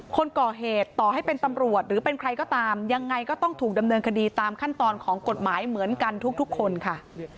คนก่อเหตุต่อให้เป็นตำรวจหรือเป็นใครก็ตามยังไงก็ต้องถูกดำเนินคดีตามขั้นตอนของกฎหมายเหมือนกันทุกคนค่ะ